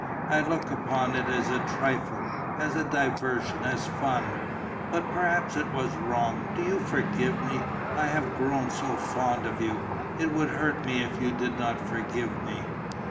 I looked upon it as a trifle, as a diversion, as fun. But perhaps it was wrong. Do you forgive me? I have grown so fond of you: it would hurt me if you did not forgive me."